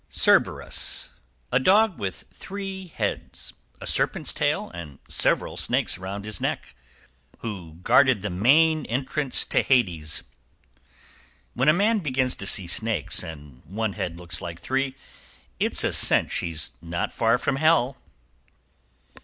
=CERBERUS. A dog with three heads, a serpent's tail and several snakes around his neck, who guarded the main entrance to Hades. =When a man begins to see snakes and one head looks like three, it's a cinch he's not far from Hell.